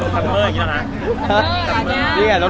อ๋อน้องมีหลายคน